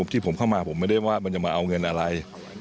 ที่ผมเข้ามาผมไม่ได้ว่ามันจะมาเอาเงินอะไร